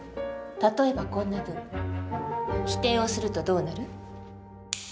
例えばこんな文否定をするとどうなる？